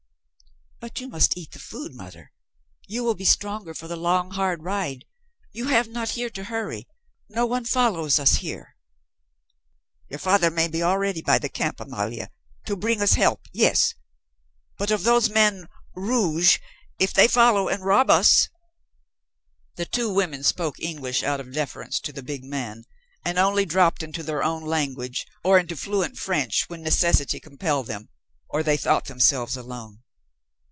"But you must eat the food, mother. You will be stronger for the long, hard ride. You have not here to hurry. No one follows us here." "Your father may be already by the camp, Amalia to bring us help yes. But of those men 'rouge' if they follow and rob us " The two women spoke English out of deference to the big man, and only dropped into their own language or into fluent French when necessity compelled them, or they thought themselves alone.